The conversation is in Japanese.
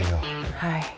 はい。